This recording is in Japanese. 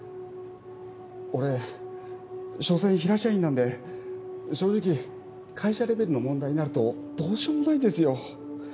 俺しょせん平社員なんで正直会社レベルの問題になるとどうしようもないんですよ。